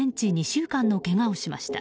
２週間のけがをしました。